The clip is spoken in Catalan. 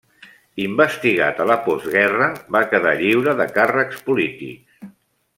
Investigat a la postguerra, va quedar lliure de càrrecs polítics.